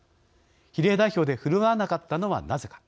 比例代表で振るわなかったのはなぜか。